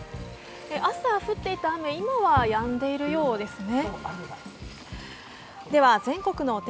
朝降っていた雨、今はやんでいるようですね。